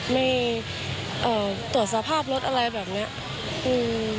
ไม่เอ่อตรวจสภาพรถอะไรแบบเนี้ยอืม